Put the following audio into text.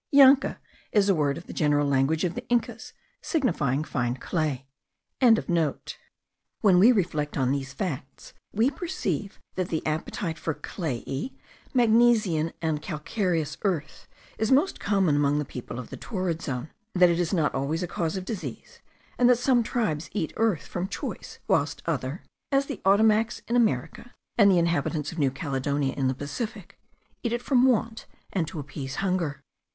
Llanka is a word of the general language of the Incas, signifying fine clay.) When we reflect on these facts, we perceive that the appetite for clayey, magnesian, and calcareous earth is most common among the people of the torrid zone; that it is not always a cause of disease; and that some tribes eat earth from choice, whilst others (as the Ottomacs in America, and the inhabitants of New Caledonia in the Pacific) eat it from want and to appease hunger.